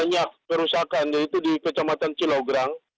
banyak kerusakan yaitu di kecamatan cilograng